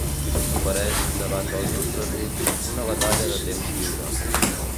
S'ofereix davant dels nostres ulls una batalla de temps lliure.